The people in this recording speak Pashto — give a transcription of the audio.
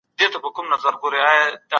ما په هر ځای کي رښتيا ويلي دي.